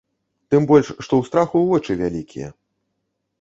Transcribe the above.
Тым больш, што ў страху вочы вялікія.